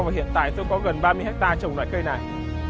và hiện tại tôi có gần ba mươi hectare trồng loại cây này